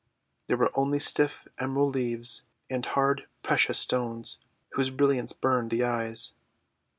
There were only stiff emerald leaves and hard precious stones, whose brilliance burned the eyes.